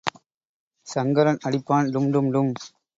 சங்கரன் அடிப்பான் டும்டும்டும்.